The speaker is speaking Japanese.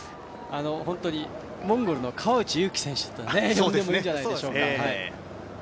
モンゴルの川内優輝選手と呼んでもいいんじゃないでしょうか。